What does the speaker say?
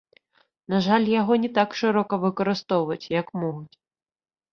На жаль, яго не так шырока выкарыстоўваюць, як могуць.